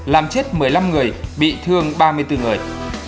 làm chết một mươi năm người bị thương ba mươi bốn người